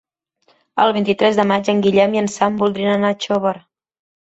El vint-i-tres de maig en Guillem i en Sam voldrien anar a Xóvar.